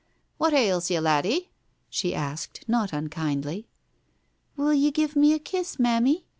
" What ails ye, laddie ?" she asked not unkindly. " Will you give me a kiss, Mammy